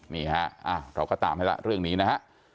นี่ฮะเราก็ตามให้ละเรื่องนี้นะฮะ